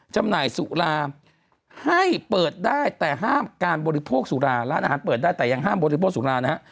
จำหน่ายสุราให้เปิดได้แต่ห้ามการบริโภคสุราร้านอาหารเปิดได้แต่ยังห้ามบริโภคสุรานะฮะ